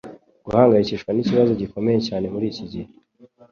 Guhangayikishwa nikibazo gikomeye cyane muri iki gihe